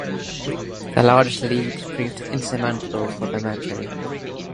The large lead proved insurmountable for the Mercury.